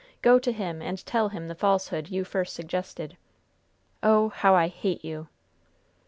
Go to him and tell him the falsehood you first suggested! Oh! how I hate you!"